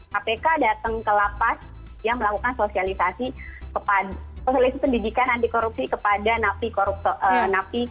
kpk datang ke lapas yang melakukan sosialisasi pendidikan anti korupsi kepada napi korupsi